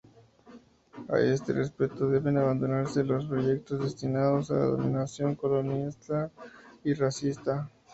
A este respecto deben abandonarse los proyectos destinados a la dominación colonialista y racista.